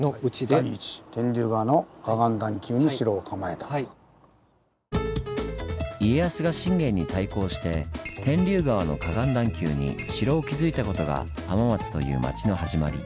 第１家康が信玄に対抗して天竜川の河岸段丘に城を築いたことが浜松という町の始まり。